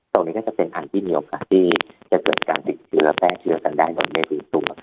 ตรงนี้ก็จะเป็นทางที่เดียวกันที่จะเกิดการสิ่งใฟเชื้อแพร่เชือกันได้